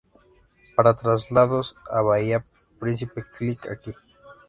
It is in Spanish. Para traslados a Bahia Principe, click aqui